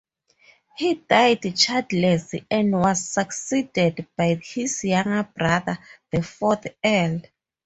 He died childless and was succeeded by his younger brother, the fourth Earl.